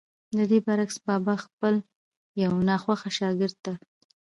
ددې برعکس بابا خپل يو ناخوښه شاګرد ته